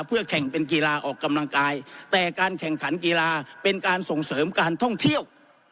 เพื่อแข่งเป็นกีฬาออกกำลังกายแต่การแข่งขันกีฬาเป็นการส่งเสริมการท่องเที่ยว